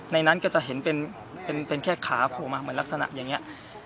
ในนั้นก็จะเห็นเป็นแค่ขาโผล่มาเหมือนลักษณะอย่างนี้